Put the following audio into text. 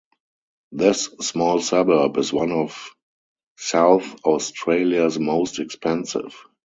This small suburb is one of South Australia's most expensive.